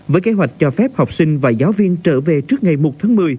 với kế hoạch cho phép học sinh và giáo viên trở về trước ngày một tháng một mươi